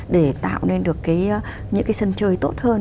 để tạo nên được những cái sân chơi tốt hơn